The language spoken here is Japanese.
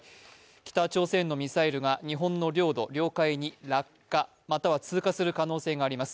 北朝鮮のミサイルが日本の領土・領海に落下する可能性があります。